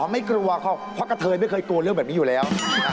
ไม่กลัวเพราะกะเทยไม่เคยกลัวเรื่องแบบนี้อยู่แล้ว